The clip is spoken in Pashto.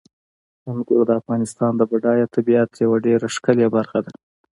انګور د افغانستان د بډایه طبیعت یوه ډېره ښکلې برخه ده.